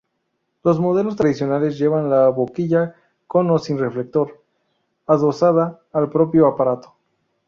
Los modelos tradicionales llevan la boquilla, con o sin reflector, adosada al propio aparato.